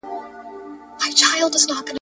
پابندۍ دي لګېدلي د ګودر پر دیدنونو ,